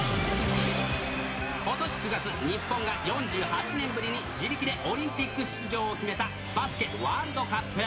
ことし９月、日本が４８年ぶりに自力でオリンピック出場を決めた、バスケワールドカップ。